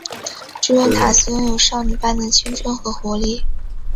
朱文塔斯拥有少女般的青春和活力。